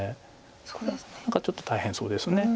これは何かちょっと大変そうです。